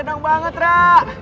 seru adeng banget rak